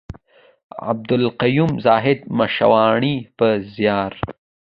د عبدالقيوم زاهد مشواڼي په زيار.